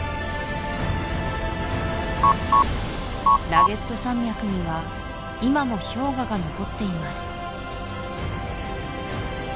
ラゲッド山脈には今も氷河が残っています